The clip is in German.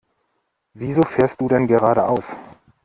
Wieso fährst du denn geradeaus?